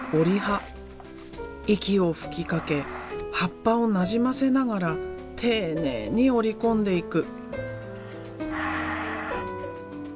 息を吹きかけ葉っぱをなじませながら丁寧に折り込んでいく。